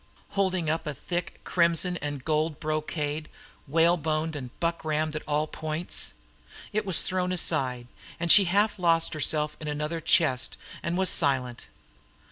holding up a thick crimson and gold brocade, whale boned and buckramed at all points. It was thrown aside, and she half lost herself in another chest and was silent.